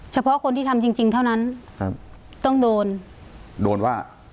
เฉพาะคนที่ทำจริงจริงเท่านั้นครับต้องโดนโดนว่า